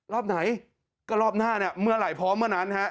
รอบไหนก็รอบหน้าเนี่ยเมื่อไหร่พร้อมเมื่อนั้นฮะ